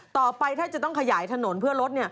ต่อไปถ้าจะต้องขยายถนนเพื่อรถ